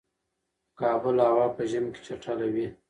کابل هوا په ژمی کی چټله وی